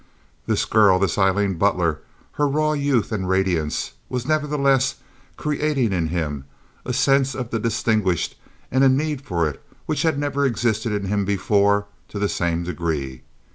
This girl, this Aileen Butler, her raw youth and radiance, was nevertheless creating in him a sense of the distinguished and a need for it which had never existed in him before to the same degree.